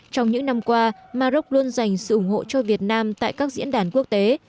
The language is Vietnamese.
trong những năm qua maroc luôn dành sự ủng hộ cho việt nam tại các diễn đàn quốc tế